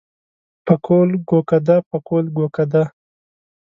پکول ګو کده پکول ګو کده.